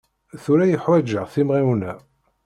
Tura i ḥwaǧeɣ timεiwna.